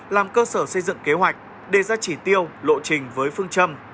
làm cơ sở xây dựng kế hoạch đề ra chỉ tiêu lộ trình với phương châm